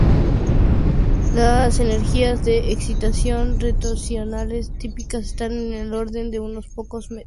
Las energías de excitación rotacionales típicas están en el orden de unos pocos cm.